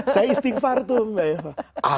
saya istighfar tuh mbak eva